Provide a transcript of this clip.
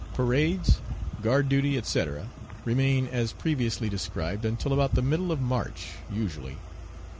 Parades, guard duty, etc., remain as previously described until about the middle of March usually.